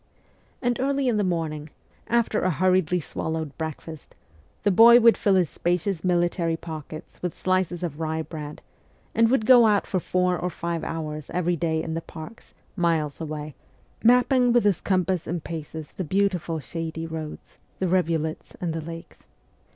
And early in the morning, after a hurriedly swallowed breakfast, the boy would fill his spacious military pockets with slices of rye bread, and would go out for four or five hours every day in the parks, miles away, mapping with his compass and paces the beautiful shady roads, the rivulets, and the lakes.